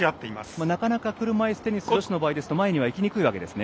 なかなか車いすテニス女子の場合ですと前には行きにくいわけですね。